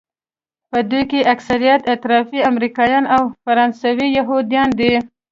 په دوی کې اکثریت افراطي امریکایان او فرانسوي یهودیان دي.